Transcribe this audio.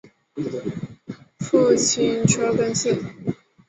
父亲厍狄峙。